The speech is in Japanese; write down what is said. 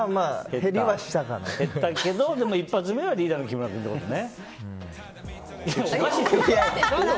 減ったけど、でも一発目はリーダーの木村君ってことね。